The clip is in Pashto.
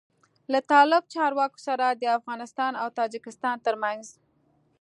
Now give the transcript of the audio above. له طالب چارواکو سره د افغانستان او تاجکستان تر منځ